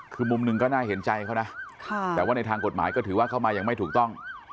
คือมุมหนึ่งก็น่าเห็นใจเขานะแต่ว่าในทางกฎหมายก็ถือว่าเข้ามายังไม่ถูกต้อง